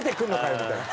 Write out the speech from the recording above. みたいな。